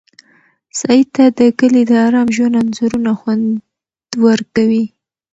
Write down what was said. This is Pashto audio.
سعید ته د کلي د ارام ژوند انځورونه خوند ورکوي.